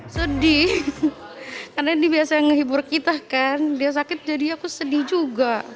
sedih karena ini biasa yang nghibur kita kan dia sakit jadi aku sedih juga